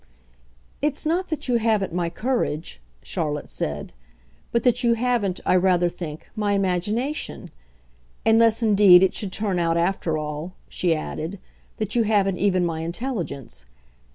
"It's not that you haven't my courage," Charlotte said, "but that you haven't, I rather think, my imagination. Unless indeed it should turn out after all," she added, "that you haven't even my intelligence.